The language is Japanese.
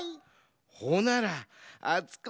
ほならあつこ